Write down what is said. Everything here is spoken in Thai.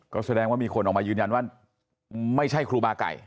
ก็แสดงว่ามีคนออกมายืนยันว่าไม่ใช่ครูบาไก่